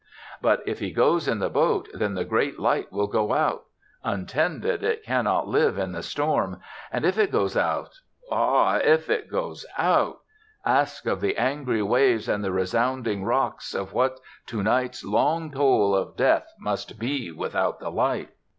But if he goes in the boat then the great light will go out. Untended it cannot live in the storm. And if it goes out ah! if it goes out ask of the angry waves and the resounding rocks of what to night's long toll of death must be without the light!